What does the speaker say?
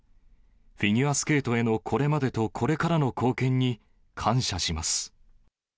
フィギュアスケートへのこれまでとこれからの貢献に感謝します。